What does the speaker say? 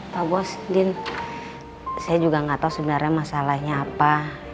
pak bos din saya juga nggak tahu sebenarnya masalahnya apa